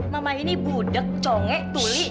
mama ini budek congek tuli